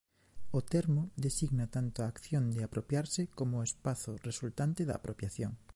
O termo designa tanto a acción de apropiarse como o espazo resultante da apropiación.